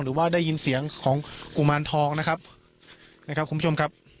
หรือว่าได้ยินเสียงของกุมารทองนะครับนะครับคุณผู้ชมครับ